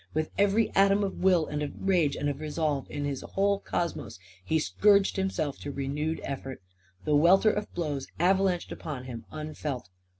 With every atom of will and of rage and of resolve in his whole cosmos, he scourged himself to renewed effort. The welter of blows avalanched upon him, unfelt.